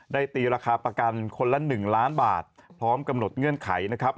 ตีราคาประกันคนละ๑ล้านบาทพร้อมกำหนดเงื่อนไขนะครับ